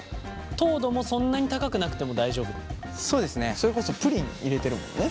それこそプリン入れてるもんね。